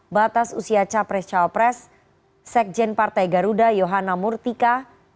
batas usia capres cawapres sekjen partai garuda yohana murtika